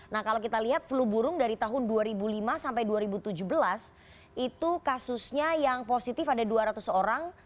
nah kalau kita lihat flu burung dari tahun dua ribu lima sampai dua ribu tujuh belas itu kasusnya yang positif ada dua ratus orang